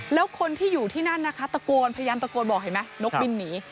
แล้วคนที่อยู่ที่นั่นนะคะตะโกนพยายามตะโกนบอกเห็นไหมนกบินหนี